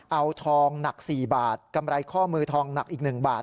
เอาทองหนัก๔บาทกำไรข้อมือทองหนักอีก๑บาท